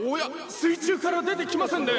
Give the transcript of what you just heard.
水中から出てきませんね」